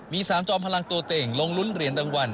มี๓จอมพลังตัวเต่งลงลุ้นเหรียญรางวัล